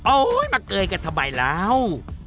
โอ้ยมาเกยกันทำไมแล้ว